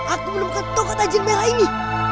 aku menemukan tongkat tajin merah ini